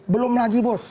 belum lagi bos